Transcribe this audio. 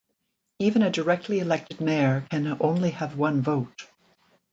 Even a directly elected Mayor can only have one vote.